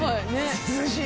涼しい。